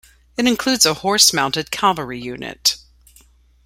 It includes a horse mounted cavalry unit.